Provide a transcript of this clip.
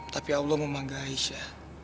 tapi allah memangga aisyah